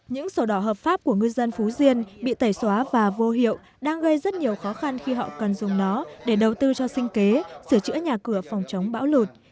những sổ đỏ hợp pháp của ngư dân phú diên bị tẩy xóa và vô hiệu đang gây rất nhiều khó khăn khi họ cần dùng nó để đầu tư cho sinh kế sửa chữa nhà cửa phòng chống bão lụt